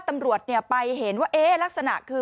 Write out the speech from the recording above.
ตำรวจเนี่ยไปเห็นว่าเอ๊ะลักษณะคือ